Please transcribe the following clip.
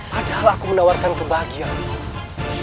padahal aku menawarkan kebahagiaanmu